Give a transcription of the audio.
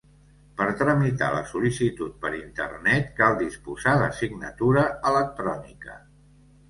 Per tramitar la sol·licitud per internet cal disposar de signatura electrònica.